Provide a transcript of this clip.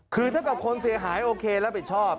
คือถ้าเกิดคนเสียหายโอเครับผิดชอบ